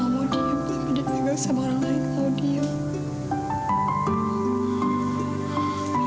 lalu dipegang sama orang lain mau diem